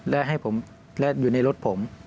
และให้ผมและอยู่ในรถผม